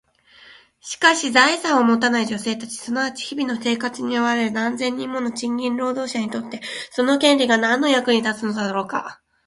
しかし、財産を持たない女性たち、すなわち日々の生活に追われる何千人もの賃金労働者にとって、その権利が何の役に立つのだろうか？